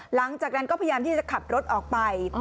หลังจากนั้นก็พยายามที่จะขับรถออกไป